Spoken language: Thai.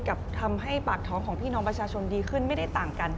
ทำให้ปากท้องของพี่น้องประชาชนดีขึ้นไม่ได้ต่างกัน